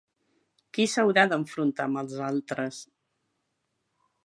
Qui s'haurà d'enfrontar amb els altres?